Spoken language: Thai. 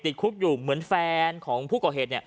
ติดคุกอยู่เหมือนแฟนของผู้ก่อเหตุ